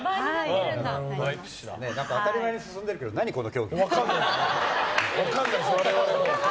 当たり前に進んでるけど何、この競技。